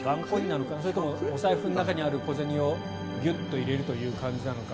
それともお財布の中にある小銭をギュッと入れる感じなのか。